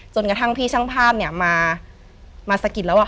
จนกระทั่งพี่ช่างภาพเนี่ยมาสะกิดแล้ว